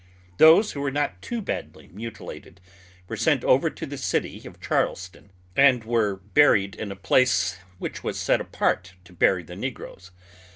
Those who were not too badly mutilated were sent over to the city of Charleston and were buried in a place which was set apart to bury the negroes.